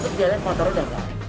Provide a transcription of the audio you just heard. untuk jalan motornya